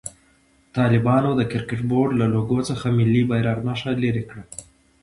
طالبانو د کرکټ بورډ له لوګو څخه د ملي بيرغ نښه لېري کړه.